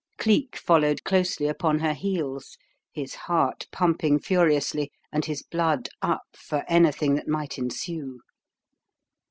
Cleek followed closely upon her heels, his heart pumping furiously and his blood "up" for anything that might ensue.